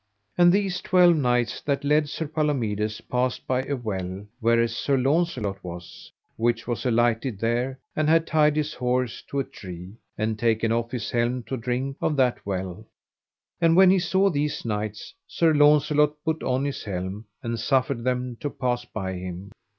And these twelve knights that led Sir Palomides passed by a well whereas Sir Launcelot was, which was alighted there, and had tied his horse to a tree, and taken off his helm to drink of that well; and when he saw these knights, Sir Launcelot put on his helm and suffered them to pass by him.